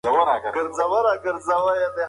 ایا هغه په عمر پخه ښځه د کبابي دوکان ته ګوري؟